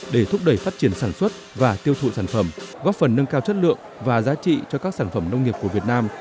để thúc đẩy phát triển sản xuất và tiêu thụ sản phẩm góp phần nâng cao chất lượng và giá trị cho các sản phẩm nông nghiệp của việt nam